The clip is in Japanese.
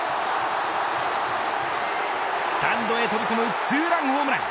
スタンドへ飛び込むツーランホームラン。